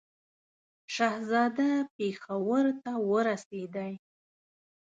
شهزاده پېښور ته ورسېدی.